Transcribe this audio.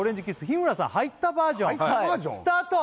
日村さん入ったバージョンスタート